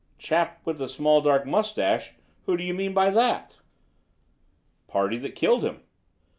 "Chap with the small dark moustache? Who do you mean by that?" "Party that killed him.